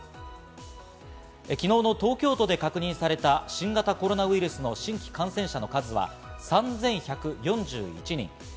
昨日の東京都で確認された新型コロナウイルスの新規感染者の数は３１４１人。